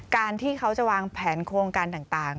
การที่เขาจะวางแผนโครงการต่าง